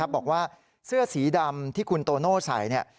บอกว่าเสื้อสีดำที่คุณโตโน่ใส่